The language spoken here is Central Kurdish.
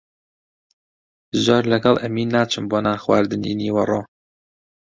زۆر لەگەڵ ئەمین ناچم بۆ نانخواردنی نیوەڕۆ.